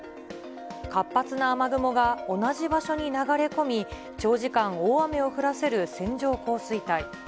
活発な雨雲が同じ場所に流れ込み、長時間、大雨を降らせる線状降水帯。